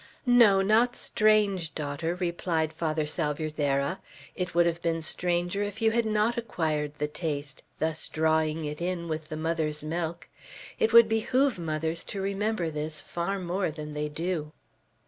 "No. Not strange, daughter," replied Father Salvierderra. "It would have been stranger if you had not acquired the taste, thus drawing it in with the mother's milk. It would behoove mothers to remember this far more than they do."